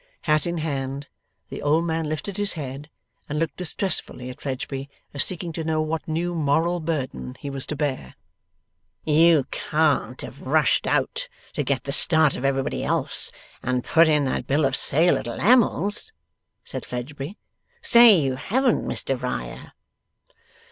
Hat in hand, the old man lifted his head, and looked distressfully at Fledgeby as seeking to know what new moral burden he was to bear. 'You can't have rushed out to get the start of everybody else, and put in that bill of sale at Lammle's?' said Fledgeby. 'Say you haven't, Mr Riah.